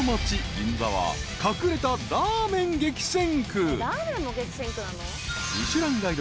銀座は隠れたラーメン激戦区］